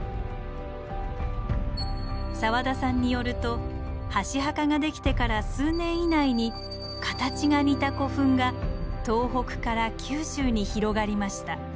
澤田さんによると箸墓ができてから数年以内に形が似た古墳が東北から九州に広がりました。